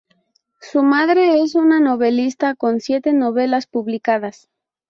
Su madre es una novelista con siete novelas publicadas.